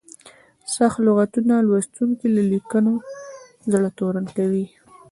سخت لغتونه لوستونکي له لیکنو زړه تورن کوي.